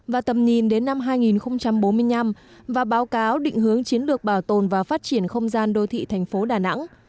và tầm nhìn đến năm hai nghìn bốn mươi năm và báo cáo định hướng chiến lược bảo tồn và phát triển không gian đô thị thành phố đà nẵng